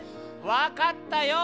分かったよ！